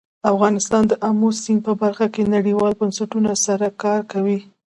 افغانستان د آمو سیند په برخه کې نړیوالو بنسټونو سره کار کوي.